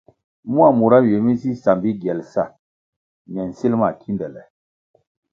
Mua mura nywie mi nzi sambi giel sa ñe nsil ma kindele.